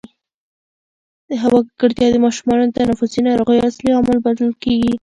د هوا ککړتیا د ماشومانو د تنفسي ناروغیو اصلي عامل بلل کېږي.